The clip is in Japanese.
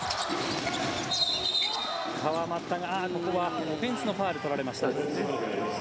川真田がここはオフェンスのファウルを取られました。